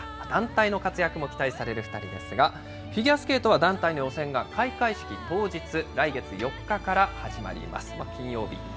団体の活躍も期待される２人ですが、フィギュアスケートは団体の予選が開会式当日、来月４日から始まります。